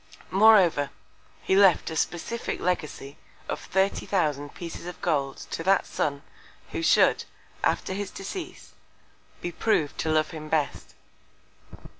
Moreover, he left a specific Legacy of 30,000 Pieces of Gold to that Son, who should, after his Decease, be prov'd to love him best.